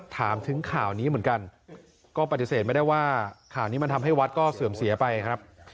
ถามถึงข่าวนี้เหมือนกันก็ปฏิเสธไม่ได้ว่าข่าวนี้มันทำให้วัดก็เสื่อมเสียไปครับ